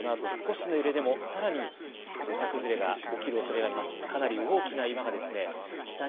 このあと少しの揺れでもさらに土砂崩れが起きるおそれがあります。